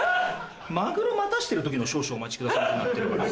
マグロ待たしてる時の「少々お待ちください」になってるわよ。